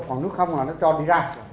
còn nếu không là nó tròn đi ra